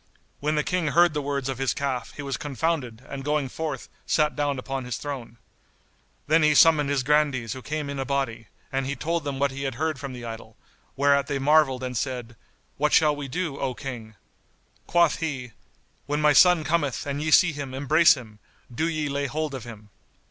When the King heard the words of his calf he was confounded and going forth, sat down upon his throne. Then he summoned his Grandees who came in a body, and he told them what he had heard from the idol, whereat they marvelled and said, "What shall we do, O King?" Quoth he, "When my son cometh and ye see him embrace him, do ye lay hold of him."